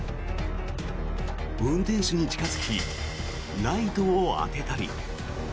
運転手に近付きライトを当てたり。